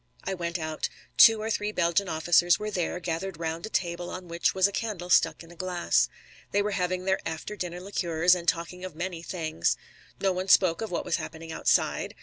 I went out. Two or three Belgian officers were there, gathered round a table on which was a candle stuck in a glass. They were having their after dinner liqueurs and talking of many things. No one spoke of what was happening outside.